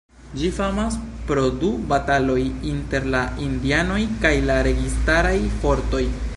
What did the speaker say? Ĝi famas pro du bataloj inter la indianoj kaj la registaraj fortoj.